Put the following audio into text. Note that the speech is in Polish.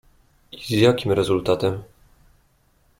"I z jakim rezultatem?"